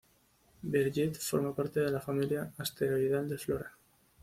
Birgit forma parte de la familia asteroidal de Flora.